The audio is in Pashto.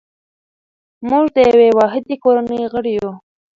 موږ د یوې واحدې کورنۍ غړي یو.